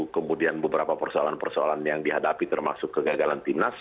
kemudian beberapa persoalan persoalan yang dihadapi termasuk kegagalan timnas